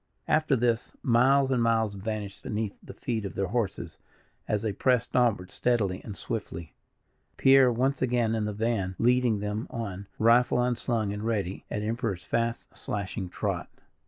After this, miles and miles vanished beneath the feet of their horses, as they pressed onward steadily and swiftly; Pierre, once again in the van, leading them on, rifle unslung and ready, at Emperor's fast slashing trot.